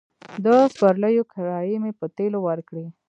د سپرليو کرايې مې په تيلو ورکړې.